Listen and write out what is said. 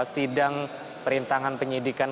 sidang perintangan penyidikan